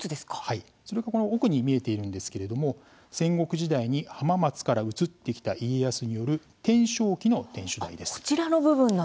それが奥に見えているんですけれども戦国時代に浜松から移ってきた家康による天正期の天守台です。